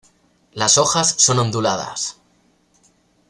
Las hojas son onduladas.